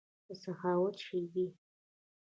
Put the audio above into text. دسخاوت شیبې